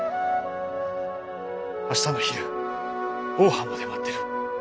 明日の昼大浜で待ってる。